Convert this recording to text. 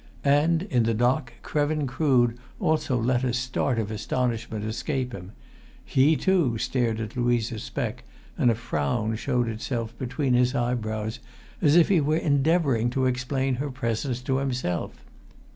And in the dock Krevin Crood also let a start of astonishment escape him; he, too, stared at Louisa Speck, and a frown showed itself between his eyebrows, as if he were endeavouring to explain her presence to himself.